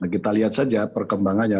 kita lihat saja perkembangannya